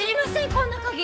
こんな鍵。